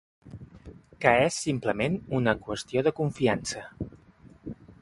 Que és simplement una qüestió de confiança.